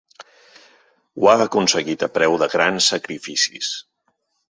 Ho ha aconseguit a preu de grans sacrificis.